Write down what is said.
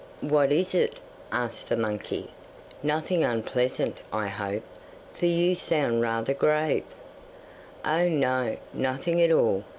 'What is it?' asked the monkey. 'Nothing unpleasant, I hope, for you sound rather grave?' 'Oh, no! Nothing at all.